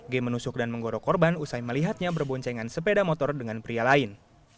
g menusuk dan menggorok korban usai melihatnya berboncengan sepeda motor dengan pria lain